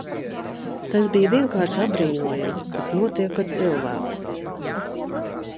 Tas bija vienkārši apbrīnojami, kas notiek ar cilvēku.